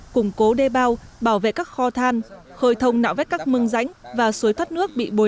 củng cố đê bao bảo vệ các kho than khởi thông nạo vét các mưng ránh và suối thắt nước bị bồi